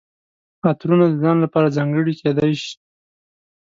عطرونه د ځان لپاره ځانګړي کیدای شي.